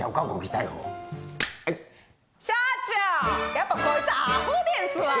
やっぱこいつアホですわ！